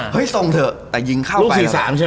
เห้ยส่งเถอะแต่ยิงเข้าไป